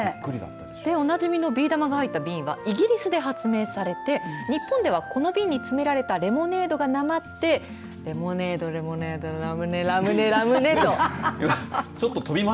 おなじみのビー玉が入った瓶はイギリスで発明されて日本では、この瓶に詰められたレモネードがなまってレモネード、レモネードラムネラムネラムネと。